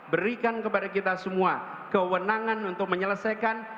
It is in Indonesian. berikan kepada kita semua kewenangan untuk menyelesaikan